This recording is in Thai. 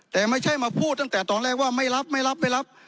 แต่ไม่ใช่มาพูดตั้งแต่ตอนแรกว่าไม่รับไม่รับไม่รับ